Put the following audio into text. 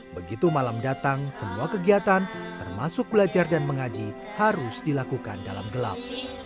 begitu malam datang semua kegiatan termasuk belajar dan mengaji harus dilakukan dalam gelap